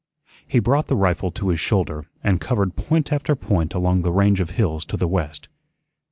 He brought the rifle to his shoulder and covered point after point along the range of hills to the west.